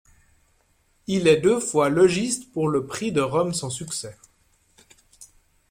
Il est deux fois logistes pour le prix de Rome sans succès.